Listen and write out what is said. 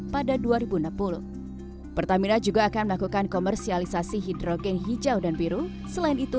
pertamina juga akan melakukan komersialisasi hidrogen hijau dan biru